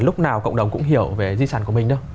lúc nào cộng đồng cũng hiểu về di sản của mình đâu